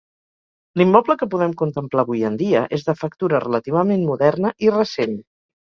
L'immoble que podem contemplar avui en dia és de factura relativament moderna i recent.